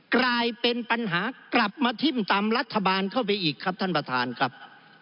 กลายเป็นปัญหากลับมาทิ้มตำรัฐบาลเข้าไปอีกครับท่านประธานครับ